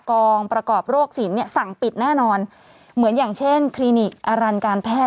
กองประกอบโรคสินเนี่ยสั่งปิดแน่นอนเหมือนอย่างเช่นคลินิกอารันการแพทย